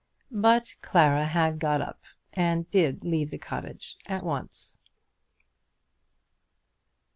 But Clara had got up, and did leave the cottage at once. CHAPTER III.